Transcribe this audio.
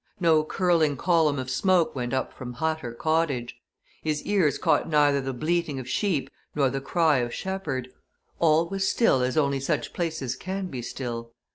No curling column of smoke went up from hut or cottage; his ears caught neither the bleating of sheep nor the cry of shepherd all was still as only such places can be still.